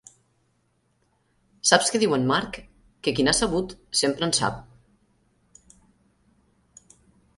Saps què diu en Marc? Que qui n'ha sabut sempre en sap.